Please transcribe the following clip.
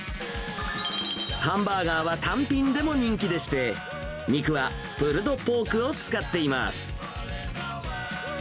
ハンバーガーは単品でも人気でして、肉はプルドポークを使っています。